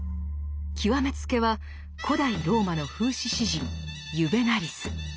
極め付けは古代ローマの風刺詩人ユヴェナリス。